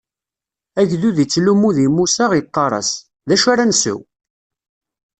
Agdud ittlummu di Musa, iqqar-as: D acu ara nsew?